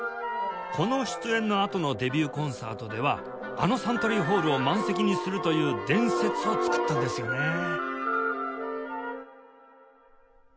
この出演のあとのデビューコンサートではあのサントリーホールを満席にするという伝説を作ったんですよね